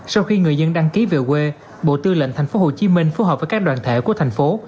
sau khi người dân đăng ký về quê bộ tư lệnh thành phố hồ chí minh phối hợp với các đoàn thể của thành phố